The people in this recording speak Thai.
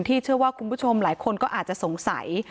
เชื่อว่าคุณผู้ชมหลายคนก็อาจจะสงสัย